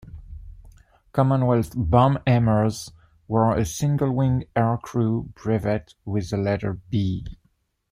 Commonwealth bomb aimers wore a single-wing aircrew brevet with the letter "B".